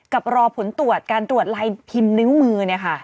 กับรอผลตรวจการตรวจไลน์พิมพ์นิ้วมือ